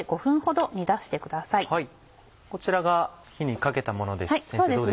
こちらが火にかけたものです先生